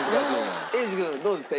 英二君どうですか？